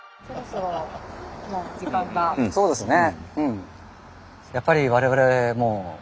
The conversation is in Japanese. そうですね。